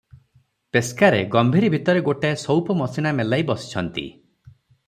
ପେସ୍କାରେ ଗମ୍ଭୀରି ଭିତରେ ଗୋଟାଏ ସଉପମସିଣା ମେଲାଇ ବସିଛନ୍ତି ।